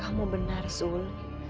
kamu benar sul